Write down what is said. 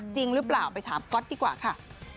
จริงหรือเปล่าไปถามก๊อตดีกว่าค่ะ